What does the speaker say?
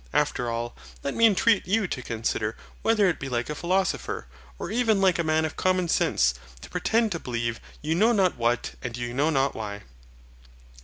After all, let me entreat you to consider whether it be like a philosopher, or even like a man of common sense, to pretend to believe you know not what and you know not why.